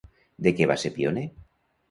De què va ser pioner?